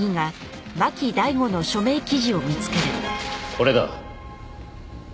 これだ。